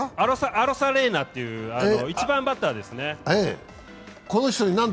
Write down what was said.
アロサレーナという１番バッターですね。